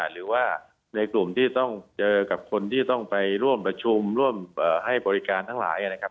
หรือว่าในกลุ่มที่ต้องเจอกับคนที่ต้องไปร่วมประชุมร่วมให้บริการทั้งหลายนะครับ